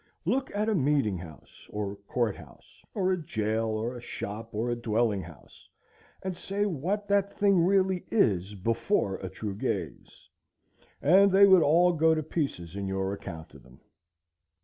Look at a meeting house, or a court house, or a jail, or a shop, or a dwelling house, and say what that thing really is before a true gaze, and they would all go to pieces in your account of them.